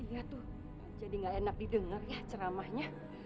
iya tuh jadi gak enak didengar ya ceramahnya